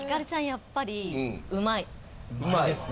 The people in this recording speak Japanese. やっぱりうまいうまいですね